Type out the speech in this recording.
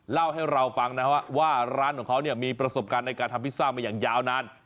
เล่าให้เราฟังนะว่าร้านของเขาเนี่ยมีประสบการณ์ในการทำพิซซ่ามาอย่างยาวนาน